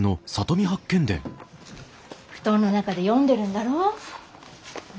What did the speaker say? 布団の中で読んでるんだろう？